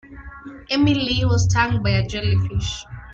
Emily was stung by a jellyfish.